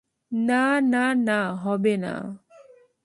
না, না, না, হবেনা।